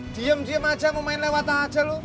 diam diam aja mau main lewat aja lu